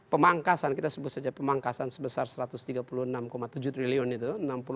pemangkasan kita sebut saja pemangkasan sebesar rp satu ratus tiga puluh enam tujuh triliun itu